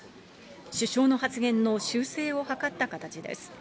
首相の発言の修正を図った形です。